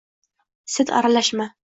Sen aralashma!